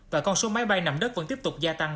và con số máy bay nằm đất vẫn tiếp tục gia tăng